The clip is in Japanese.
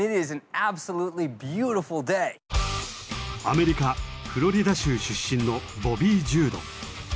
アメリカ・フロリダ州出身のボビー・ジュード。